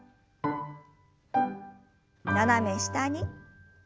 斜め下に。